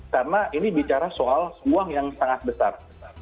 karena ini bicara soal uang yang sangat besar